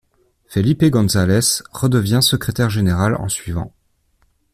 Felipe González redevient secrétaire général en suivant.